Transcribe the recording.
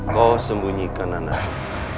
kau sembunyikan anakku